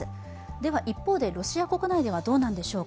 では一方でロシア国内ではどうなんでしょうか。